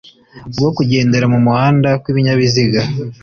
bwo kugendera mu muhanda kw ibinyabiziga